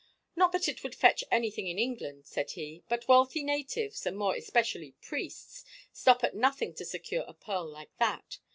"Not that it would fetch anything in England," said he; "but wealthy natives and more especially priests stop at nothing to secure a pearl like that.